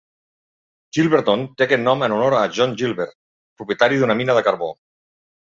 Gilberton té aquest nom en honor a John Gilbert, propietari d'una mina de carbó.